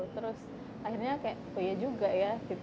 terus akhirnya kayak oh iya juga ya gitu